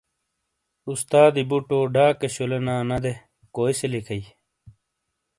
استادی بوٹو ڈاکے شولینا نہ دے کوٸی سے لکھٸی ۔۔